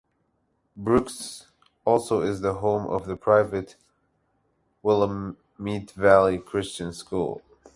Brooks also is the home of the private Willamette Valley Christian School.